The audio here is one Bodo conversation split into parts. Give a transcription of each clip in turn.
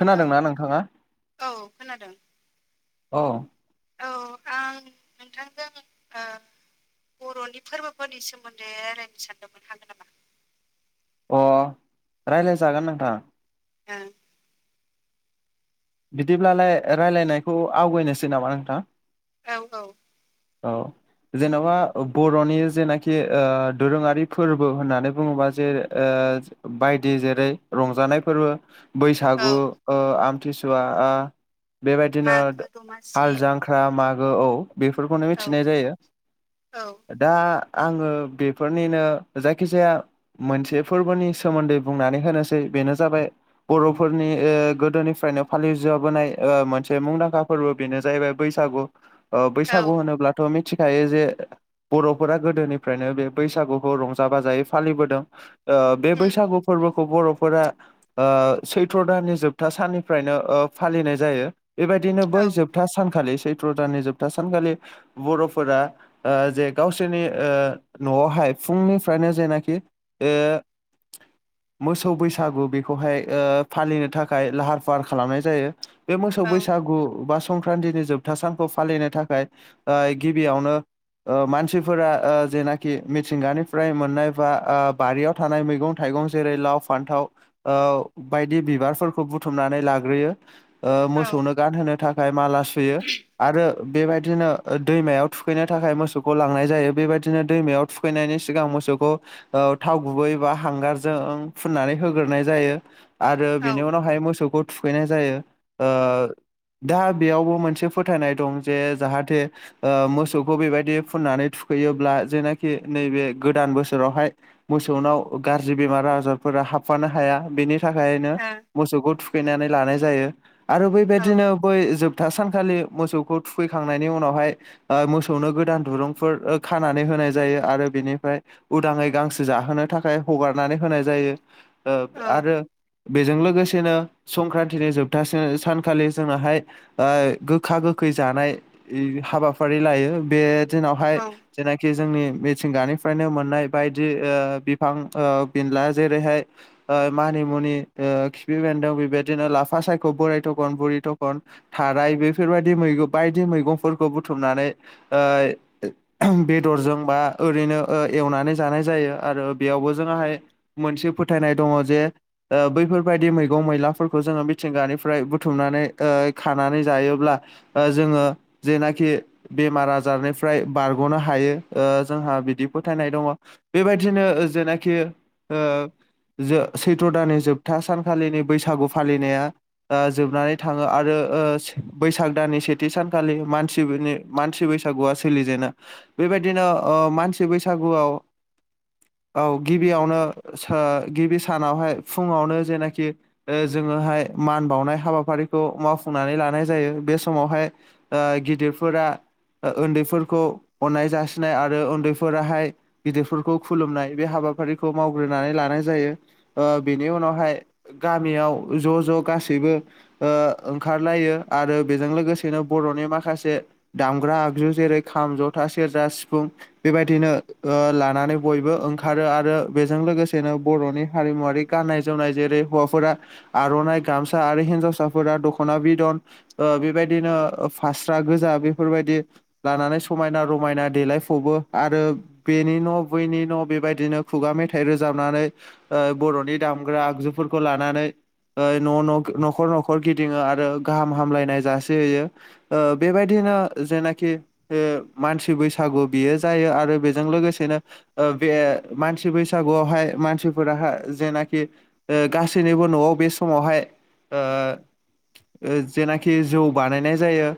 हेलौ नोंथाङा औ खोनादों औ औ आं नोंथांजों ओ बर'नि फोरबोफोरनि सोमोन्दै रायलायनो सानदोंमोन हागोन नामा? अ रायलायजागोन नोंथां। ओं बिदिब्लालाय रायजलायनायखौ आवगायनोसै नामा नोंथां? औ औ औ जेन'बा बर'नि जेनाखि ओ दोरोङारि फोरबो होननानै बुङोबा जे ओ बायदि जेरै रंजानाय फोरबो औ बैसागु ओ आमथिसुवा ओ बेबायदिनो मागो दमासि हाल जांख्रा मागो औ बेफोरखौनो औ मिथिनाय औ जायो। औ दा आङो बेफोरनिनो जायखिजाया मोनसे फोरबोनि सोमोन्दै बुंनानै होनोसै बेनो जाबाय बर'फोरनि ओ गोदोनि फ्रायनो फालिजबोनाय मोनसे मुंदांखा फोरबो बेनो जाहैबाय बैसागु ओ औ बैसागु होनोब्लाथ' मिथिखायो जे बर'फोरा गोदोनिफ्रायनो बे बैसागुखौ रंजा बाजायै फालिबोदों। ओ बे उम बैसागु फोरबोखौ बर'फोरा ओ सैथ्र' दाननि जोबथा साननि फ्रायनो ओ फालिनाय जायो बेबायदिनो बै औ जोबथा सानखालि सैत्र दाननि जोबथा सानखालि बर'फोरा ओ जे गावसोरनि ओ न'आवहाय फुंनिफ्रायनो जेनाखि ओ मोसौ बैसागु बेखौहाय फालिनो थाखाय लाहार फाह फार खालामनाय जायो बे मोसौ औ बैसागु बा स संक्रान्तिनि जोबथा सानखौ फालिनो थाखाय गिबियावनो ओ मानसिफोरा ओ जेनाखि मिथिंगानिफ्राय मोननाय बा बारियाव थानाय मैगं थाइगं जेरै लाव, फान्थाव ओ बायदि बिबारफोरखौ बु बुथुमनानै लाग्रोयो ओ औ मोसौनो गानहोनो थाखाय माला सुयो आरो बेबायदिनो दैमायाव थुखैनो थाखाय मोसौखौ लांनाय जायो बेबायदिनो दैमायाव थुखै खैनायनि सिगां मोसौखौ औ थाव गुबैबा हांगारजों फुननानै होग्रोनाय जायो। आरो औ ओ बेनि उनावहाय मोसौखौ थुखैनाय जायो ओ दा बेयावबो मोनसे फोथायनाय दं जे जाहाथे ओ मोसौखौ बेबायदि फुननानै थुखैयोब्ला जेनाखि नैबे गोदान बोसोरावहाय मोसौनाव गाज्रि बेमार आजारफोरा हाबफानो हाया बेनि थाखायनो औ मोसौखौ थुखैनानै लानाय जायो आरो औ बैबायदिनो बै जोबथा सानखालि मोसौखौ थुखैखांनायनि उनावहाय ओ मोसौनो गोदान दुरुंफोर ओ खानानै होनाय जायो आरो बेनिफ्राय उदाङै गांसो जाहोनो थाखाय हगारनानै होनाय जायो। ओ औ आरो बेजों लोगोसेनो संक्रान्तिनि जोबथासो सानखालि जोंनाहाय ओइ गोखा गोखै जानाय इ हाबाफारि लायो बे दिनावहाय औ जेनाखि जोंनि मिथिंगानिफ्रायनो मोननाय बायदि ओ बिफां ओ बिनला जेरैहाय ओ मानिमुनि ओ खिफि बेन्दों बेबायदिनो लाफा सायख' बोराइ थ'खन बुरि थ'खन थाराइ बेफोर बायदि मैग' बायदि मैगंफोरखौ बुथुमनानै ओ बेदरजों बा ओरैनो ओ एवनानै जानाय जायो आरो बेयावबो जोङाहाय मोनसे फोथायनाय दङ जे ओ बैफोरबायदि मैगं मैला फोरखौ जोङो मिथिंगानिफ्राय बुथुमनानै ओ खानानै जायोब्ला ओ जोङो जेनाखि बेमार आजारनिफ्राय बारग'नो हायो ओ जोंहा बिदि फोथायनाय दङ। बेबायदिनो ओ जेनाखि ओ जो सैथ्र' दाननि जोबथा सानखालिनि बैसागु फालिनाया ओ जोबनानै थाङो आरो ओ बैसाग दाननि सेथि सानखालि मानसिबोनि मानसि बैसागुआ सोलिजेनो बेबायदिनो ओ मानसि बैसागुआव औ गिबियावनो सा गिबि सानावहाय फुङावनो जेनाखि ओ जोङोहाय मान बावनाय हाबाफारिखौ मावफुंनानै लानाय जायो बे समावहाय ओ गिदिरफोरा ओ ओन्दैफोरखौ अननाय जासिनाय आरो उन्दैफोराहाय गिदिरफोरखौ खुलुमनाय बे हाबाफारिखौ मावग्रोनानै लानाय जायो ओ बेनि उनावहाय गामियाव ज' ज' गासैबो ओ ओंखारलायो आरो बेजों लोगोसेनो बर'नि माखासे दामग्रा आगजु जेरै खाम जथा सेरजा सिफुं बेबायदिनो ओ लानानै बयबो ओंखारो आरो बेजों लोगोसेनो बर'नि हारिमुवारि गाननाय जोमनाय जेरै हौवाफोरा आर'नाइ गामसा आरो हिन्जावसाफोरा दख'ना बिदन ओ बेबायदिनो फास्रा गोजा बेफोरबायदि लानानै समायना रमायना देलायफबो आरो बेनि न' बैनि न' बेबायदिनो खुगा मेथाइ रोजाबनानै ओ बर'नि दामग्रा आगजुफोरखौ लानानै ओ न' न' न'खर न'खर गिदिङो आरो गाहाम हामलायनाय जासिहैयो। ओ बेबायदिनो जेनाखि ओ मानसि बैसागु बियो जायो आरो बेजों लोगोसेनो ओ बे मानसि बैसागुआवहाय मानसिफोराहा जेनाखि ओ गासैनोबो न'आव बे समावहाय ओ जेनाखि जौ बानायनाय जायो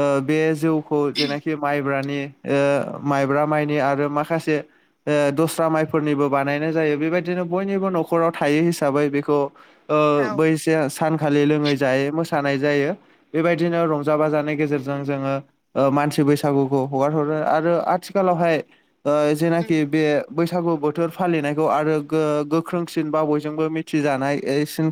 ओ बे जौखौ जेनाखि माइब्रानि ओ माइब्रा माइनि आरो माखासे ओ दस्रा माइफोरनिबो बानायनाय जायो बेबायदिनो बयनिबो न'खराव थायो हिसाबै बेखौ बै से सानखालि लोङै जायै मोसानाय जायो। बेबायदिनो रंजा बाजानि गेजेरजों जोङो ओ मानसि बैसागुखौ हगारहरो आरो आथिखालावहाय ओ उम जेनाखि बे बैसागु बोथोर फालिनायखौ आरो गो-गोख्रोंसिन बा बयजोंबो मिथिजानाय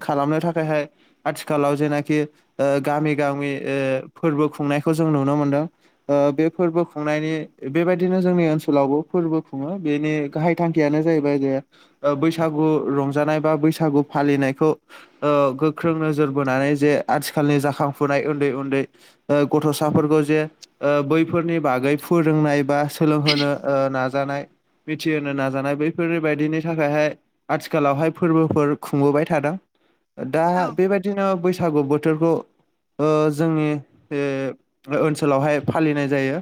खालामनो थाखायहाय आथिखालाव जेनाखि ओ गामि गामि ओ फोर्बो खुंनायखौ जों नुनो मोनदों। बे फोरबो खुंनायनि बेबायदिनो जोंनि ओनसोलावबो फोरबो खुङो बेनि गाहाय थांखियानो जाहैबाय जे बैसागु रंजानाय बा बैसागु फालिनायखौ ओ गोख्रों नोजोर बोनानै जे आथिखालनि जाखांफुनाय उन्दै उन्दै गथ'साफोरखौ जे बैफोरनि बागै फोरोंनाय बा सोलोंहोनो ओ नाजानाय मिथिहोनो नाजानाय बैफोर बायदिनि थाखायहाय आथिखालावहाय फोरबोफोर खुंबोबाय थादों। दा औ बेबायदिनो बैसागु बोथोरखौ ओ जोंनि बे ओनसोलावहाय फालिनाय जायो।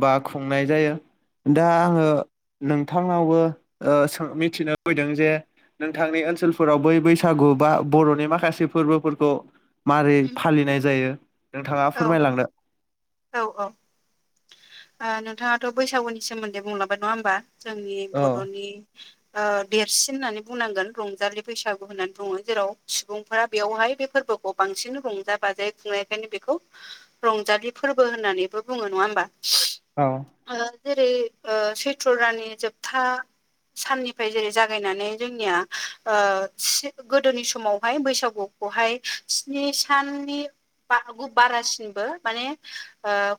बा खुंनाय जायो। दा आङो नोंथांनावबो सो मिथिनो फैदों जे नोंथांनि ओनसोलफोराव बै बैसागु बा बर'नि माखासे फोरबोफोरखौ मारै उम फालिनाय जायो। नोंथाङा औ फोरमायलांनो औ औ। नोंथाङाथ' बैसागुनि सोमोन्दै बुंलांबाय नङा होमबा जोंनि औ बर'नि ओ देरसिन होननानै बुंनांगोन रंजालि बैसागु होननानै बुङो जेराव सुबुंफोरा बेवहाय बे फोरबोखौ बांसिन रंजा बाजायै खुंनायखायनो बेखौ रंजालि फोरबो होननानैबो बुङो नङा होमबा? औ। ओ जेरै ओ सैत्र' दाननि जोबथा साननिफ्राय जेरै जागायनानै जोंनिया आ गोदोनि समावहाय बैसागु बेवहाय स्नि साननि बा बारासिनबो माने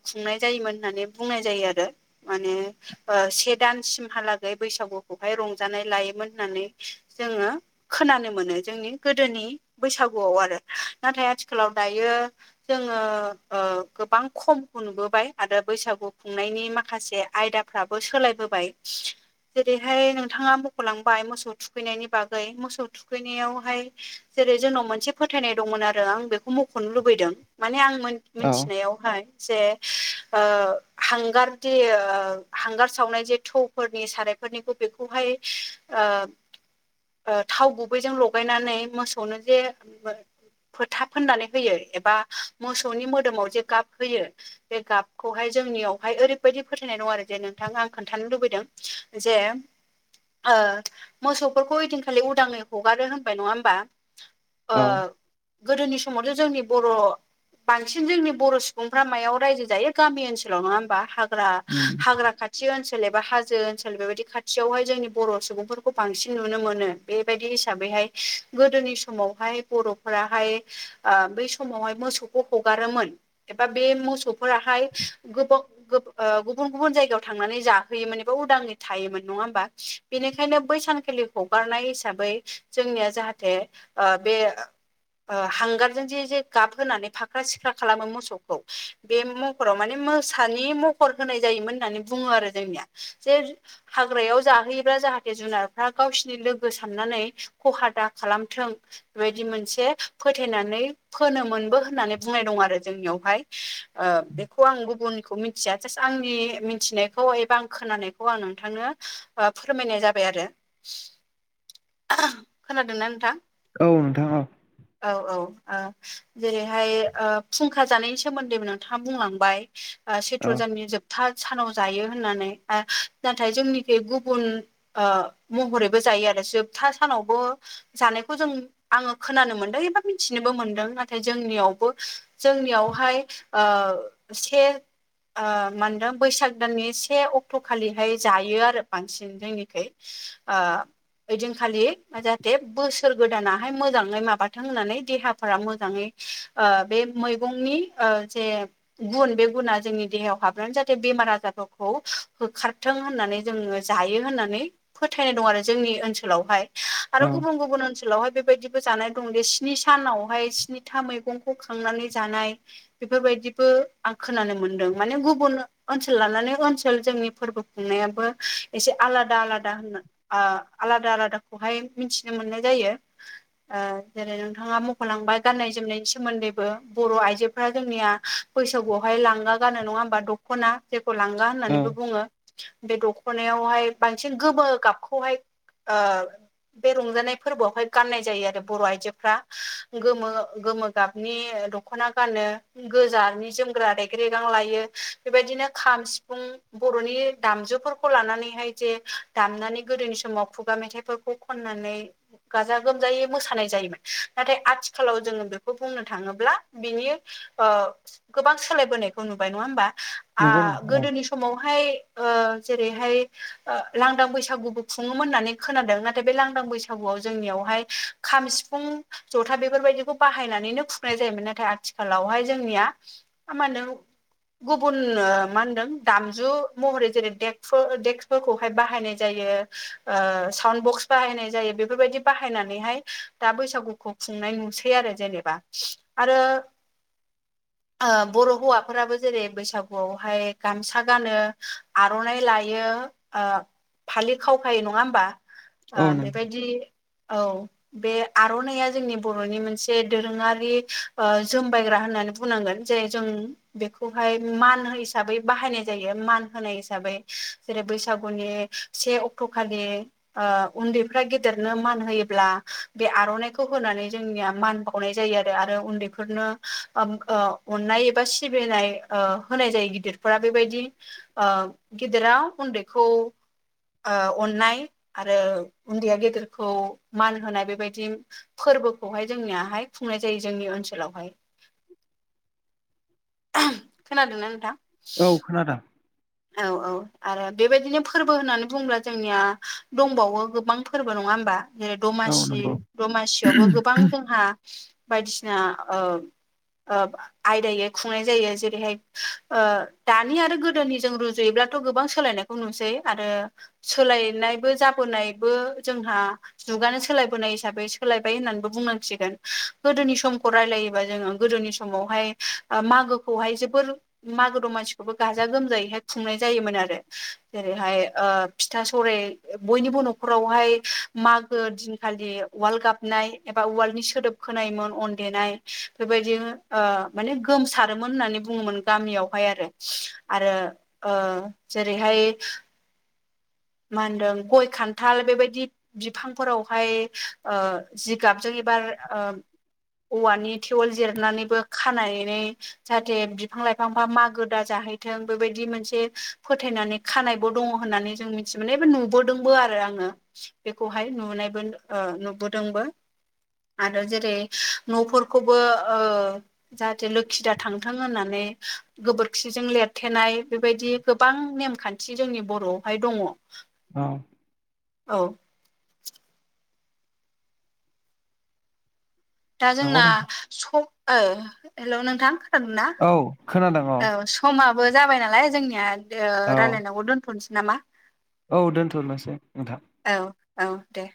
खुंनाय जायोमोन होननानै बुंनाय जायो आरो। माने से दानसिमहालागै बैसागुखौहाय रंजानाय लायोमोन होननानै जोङो खोनानो मोनो जोंनि गोदोनि बैसागुआव आरो। नाथाय आथिखालाव दायो जोङो ओ गोबां खमखौ नुबोबाय आरो बैसागु खुंनायनि माखासे आयदाफ्राबो सोलायबोबाय। जेरैहाय नोंथाङा मख'लांबाय मोसौ थुखैनायनि बागै मोसौ थुखैनायावहाय जेरै जोंनाव मोनसे फोथायनाय दंमोन आरो आं बेखौ मख'नो लुबैदों माने आं मोन औ मिथिनायावहाय जे ओ हांगार जे हांगार सावनाय जे थौफोरनि सारानायफोरनिखौ बेखौहाय ओ [inaudible] ओ थाव गुबैजों लगायनानै मोसौनो जे फोथा फोननानै होयो एबा मोसौनि मोदोमाव जे गाब होयो बे गाब खौहाय जोंनियावहाय ओरैबायदि फोथायनाय दङ आरो जे नोंथां आं खोन्थानो लुबैदों। जे ओ मोसौफोरखौ ओइदिनखालि उदाङै हगारो होनबाय नङा होमबा? ओ औ गोदोनि समावथ' जोंनि बर' बांसिन जोंनि बर' सुबुंफ्रा मायाव रायजो जायो गामि ओनसोलाव नङा होमबा हाग फोरा उम हाग्रा खाथि खाथि ओनसोल एबा हाजो ओनसोल बेबायदि खाथियावहाय जोंनि बर' सुबुंफोरखौ बांसिन नुनो मोनो। बेबायदि हिसाबैहाय गोदोनि समावहाय बर'फोराहाय आ बै समावहाय मोसौ हगारोमोन एबा बे मोसौफोराहाय गोबाव गुब ओ गुबुन गुबुन जायगायाव थांनानै जाहोयोमोन एबा उदांनि थायोमोन नङा होमबा? बेनिखायनो बै सानखालि हगारनाय हिसाबै जोंनिया जाहाथे आ बे ओ हांगारजों जे जे गाबहोनानै फाख्रा सिख्रा खालामो मोसौखौ बे मो फोराव माने मोसानि महर होनाय जायोमोन होननानै बुङो आरो जोंनिया। जे हाग्रायाव जाहोयोब्ला जाहाथे जुनारफ्रा गावसिनि लोगो साननानै खहा दा खालामथों बेबायदि मोनसे फोथायनानै फोनोमोनबो होननानै बुंनाय दं आरो जोंनियावहाय। ओ बे खौ आं गुबुननिखौ मिथिया जास्ट आंनि मिथिनायखौ एबा आं खोनानायखौ आं नोंथांनो बा फोरमायनाय जाबाय आरो खोनादोंना नोंथां औ नोंथां औ औ औ ओ जेरैहाय ओ फुंखा जानायनि सोमोन्दै नोंथाङा बुंलांबाय औ सैथ्र'जाननि जोब था सानाव जायो होननानै नाथाय जोंनिखि गुबुन ओ महरैबो जायो आरो जोबथा सानावबो जानायखौ जों आङो खोनानो मोनदों एबा मिथिनोबो मोनदों नाथाय जोंनियावबो जोंनियावहाय ओ इसे ओ मा होनदों बैसाग दाननि से अक्ट' खालिहाय जायो आरो बांसिन जोंनिखै ओ ओइदिनखालि जाहाथे बोसोर गोदानाहाय मोजाङै माबाथों होननानै देहाफोरा मोजाङै ओ बे मैगंनि ओ जे गुन बे गुना जोंनि देहायाव हाबनानै जाहाथे बेमार आजारफोरखौ होखारथों होननानै जों जायो होननानै फोथायनाय दं आरो जोंनि ओनसोल सोलावहाय आरो औ गुबुन गुबुन ओनसोलावहाय बेबादि जानाय दं बे स्नि सानावहाय स्निथा मैगंखौ खांनानै जानाय बेफोरबायदिबो आं खोनानो मोन्दों माने गुबुन ओनसोल लानानै ओनसोल जोंनि फोरबो खुंनायाबो एसे आलादा आलादा होना आ आलादा आलादाखौहाय मिथिनो मोननाय जायो जेरै नोंथाङा मख'लांबाय गाननाय जोमनायनि सोमोन्दैबो बर' आइजोफोरा जोंनिया बैसागुआवहाय लांगा गानो नङा होमबा दख'ना जेखौ लांगा औ होननानैबो बुङो बे दख'नायावहाय बांसिन गोमो गाबखौहाय औ बे रंजानाय फोरबोआवहाय गाननाय जायो आरो बर' आयजोफ्रा गोमो ओ गोमो गाबनि दख दख'ना गानो गोजानि जोमग्रा रेगे रेगां लायो बेबायदिनो खाम सिफुं बर'नि दामजुफोरखौ लानानैहाय जे दामनानै गोदोनि समाव खुगा मेथाइफोरखौ खननानै गाजा गोमजायै मोसानाय जायोमोन नाथाय आथिखालाव जोङो बेखौ बुंनो थाङोब्ला बिनि गोबां सोलायबोनायखौ नुबाय नङा होमबा आ नंगौ नोंथां औ गोदोनि समावहाय ओ जेरैहाय लांदां बैसागुबो खुङो मोन होनानै खोनादों नाथाय बे लांदां बैसागुआव जोंनियावहाय खाम सिफुं जथा बेफोरबायदिखौ बाहायनानैनो खुंनाय जायोमोन नाथाय आथिखालावहाय जोंनिया [unintelligible] गुबुन मा होनदों दामजु महरै जेरै देक्स देक्सफोरखौहाय बाहायनाय जायो ओ साउन्ड बक्स बाहायनाय जायो बेफोरबायदि बाहायनानैहाय दा बैसागुखौ खुंनाय नुसै आरो जेनेबा आरो [inaudible] ओ बर' हौवाफोराबो जेरै बैसागुआवहाय गामसा गानो आर'नाइ लायो ओ फालि खावखायो नङा होमबा ओ औ नंगौ बेबायदि औ बे आर'नाइया जोंनि बर'नि मोनसे दोरोङारि ओ जोमबायग्रा होननानै बुंनांगोन जे जों बेखौहाय मान हिसाबै बाहायनाय जायो मान होनाय हिसाबै जेरै बैसागुनि से अक्ट' खालि ओ उन्दैफ्रा गेदेरनो मान होयोब्ला बे आर'नाइखौ होनानै जोंनिया मान बाव नाय जायो आरो उन्दैफोरनो ओम ओ अननाय एबा सिबिनाय ओ होनाय जायो गिदिर फोरा बेबायदि ओ गेदेरा उन्दैखौ अननाय आरो उन्दैया गेदेरखौ मान होनाय बेबायदि फोरबोखौहाय जोंनियाहाय खुंनाय जायो जोंनि ओनसोलावहाय [inaudible] खोनादोंना नोंथां? औ खोनादों औ औ आरो बेबायदिनो फोरबो होननानै बुंङोब्ला जोंनिया दंबावो गोबां फोरबो नङा होमबा? जेरै औ दमासि नंगौ दमासियावबो गोबां जोंहा बायदिसिना ओ आयदायै खुंनाय जायो जेरैहाय ओ दानि आरो गोदोनि जों रुजुयोब्लाथ' गोबां सोलायनायखौ नुसै आरो सोलायनायबो जाबोनायबो जोंहा जुगानो सोलायबोनाय हिसाबै सोलायबाय होननानैबो बुंनांसिगोन गोदोनि समखौ रायलायोबा जोङो गोदोनि स मावहाय मोगोखौहाय जोबोर मागो दंमानसिखौबो गाजा गोमजायैहाय खुंनाय जायोमोन आरो जेरैहाय ओ फिथा सौराय बयनिबो न'खरावहाय मागो दिनखालि उवाल गाबनाय एबा उवालनि सोदोब खोनायोमोन अन देनाय बेबायदि ओ माने गोमसारोमोन होननानै बुङोमोन गामियावहाय आरो आरो ओ जेरैहाय मा होनदों गय खान्थाल बेबायदि बिफांफोरावहाय ओ जिगाबजों एबार ओ औवानि थेवोल जिरनानैबो खानाय नाय नै जाहाथे बिफां लाइफांफा मागो दा जाहैथों बेबायदि मोनसे फोथायनानै खानायबो दङ होननानै जों मि मोननायबो नुबोदोंबो आरो आङो बेखौहाय नुनायबो ओ नुबोदोंबो आरो जेरै न'फोरखौबो ओ जाहाथे लोखि दा थांथों होननानै गोबोरखिजों लिरथेनाय बेबायदि गोबां नेमखान्थि जोंनि बर'आवहाय दङ। औ औ दा नंगौ जोंना नों स- ओ हेल' नोंथां खोनादों ना? औ खोनादों औ समाबो जाबाय नालाय जोंनिया ओ औ रायल्लायनांगबो दोन्थ'नोसै नामा। औ दोन्थ'नोसै नोंथां औ औ दे।